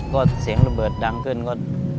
ก็เสียงระเบิดดังขึ้นก็